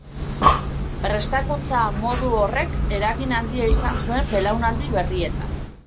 Prestakuntza modu horrek eragin handia izan zuen belaunaldi berrietan.